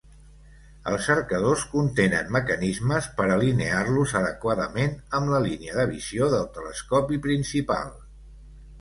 Els cercadors contenen mecanismes per alinear-los adequadament amb la línia de visió del telescopi principal.